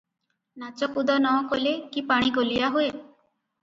ନାଚକୁଦ ନ କଲେ କି ପାଣି ଗୋଳିଆ ହୁଏ?